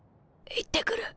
行ってくる。